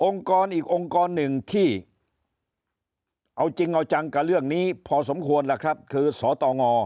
องค์กรอีกองค์กรหนึ่งที่เอาจริงเอาจังกับเรื่องนี้พอสมควรคือสตว